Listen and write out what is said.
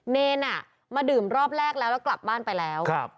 เนนอ่ะมาดื่มรอบแรกแล้วกลับบ้านไปแล้วครับ